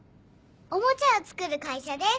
おもちゃを作る会社です。